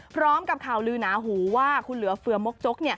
พร้อมกับข่าวลือหนาหูว่าคุณเหลือเฟือมกจก